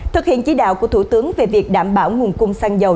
thực hiện chí đạo của thủ tướng về việc đảm bảo nguồn cung xăng dầu